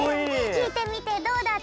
きいてみてどうだった？